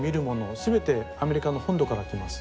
全てアメリカの本土から来ます。